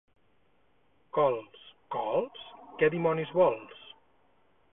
Cols. —Cols? Què dimonis vols?